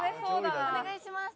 お願いします。